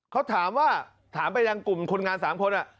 เขาถามว่าถามไปยังกลุ่มคนงาน๓คน